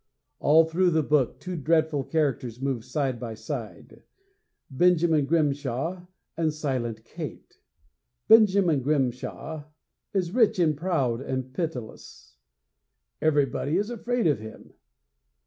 All through the book two dreadful characters move side by side Benjamin Grimshaw and Silent Kate. Benjamin Grimshaw is rich and proud and pitiless. Everybody is afraid of him.